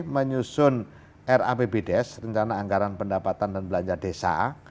menyusun rapbdes rencana anggaran pendapatan dan belanja desa